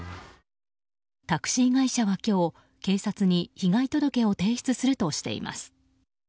タクシー会社は今日警察に被害届を提出するとしています。